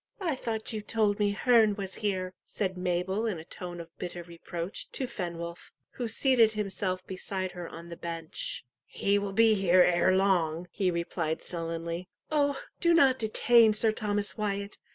"I thought you told me Herne was here," said Mabel in a tone of bitter reproach, to Fenwolf, who seated himself beside her on the bench. "He will be here ere long," he replied sullenly. "Oh, do not detain Sir Thomas Wyat!"